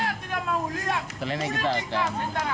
setelah ini kita akan